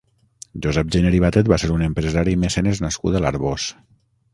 Josep Gener i Batet va ser un empresari i mecenes nascut a l'Arboç.